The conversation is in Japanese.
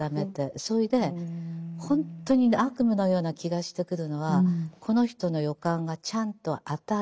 それで本当に悪夢のような気がしてくるのはこの人の予感がちゃんと当たる。